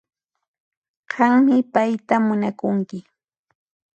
Qanmi payta munakunki